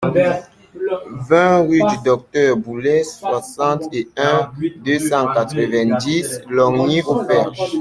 vingt rue du Docteur Boulay, soixante et un, deux cent quatre-vingt-dix, Longny-au-Perche